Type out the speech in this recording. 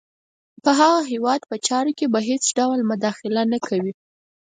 په هغه هیواد په چارو کې به هېڅ ډول مداخله نه کوي.